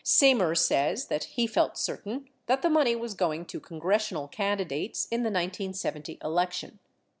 Semer says that he felt certain that the money was going to congressional candidates in the 1970 election.